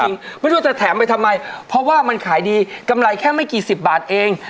ไม่รู้ว่าจะแถมไปทำไมเพราะว่ามันขายดีกำไรแค่ไม่กี่สิบบาทเอง